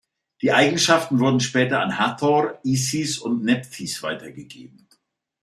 Die Eigenschaften wurden später an Hathor, Isis und Nephthys weitergegeben.